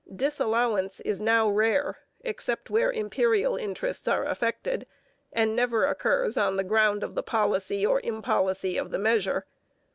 Disallowance is now rare, except where Imperial interests are affected, and never occurs on the ground of the policy or impolicy of the measure.